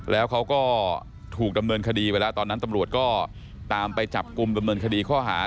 แล้วเขาก็ถูกดำเนินคดีไปแล้วตอนนั้นตำรวจก็ตามไปจับกลุ่มดำเนินคดีข้อหา